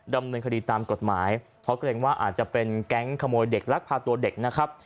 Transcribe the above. ดำเนินคดีตามกฎหมายเพราะเกรงว่าอาจจะเป็นแก๊งขโมยเด็กลักพาตัวเด็กนะครับ